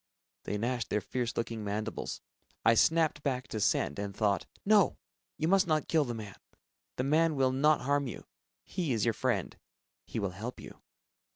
They gnashed their fierce looking mandibles. I snapped back to "send" and thought. "No ... you must not kill the man. The man will not harm you ... he is your friend. He will help you."